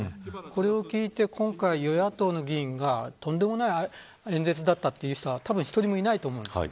これを聞いて今回、与野党の議員がとんでもない演説だったという人は１人もいないと思います。